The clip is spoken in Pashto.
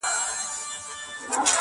ساحله زه د عقل سترګي په خیال نه زنګوم؛